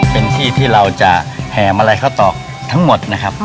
เป็นที่ที่เราจะแห่มาลัยข้าวตอกทั้งหมดนะครับ